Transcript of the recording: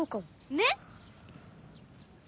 ねっ！